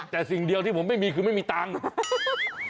แต่สิ่งเดียวที่ผมไม่มีคือไม่มีตังค์